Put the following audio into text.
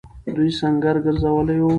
دوی سنګر گرځولی وو.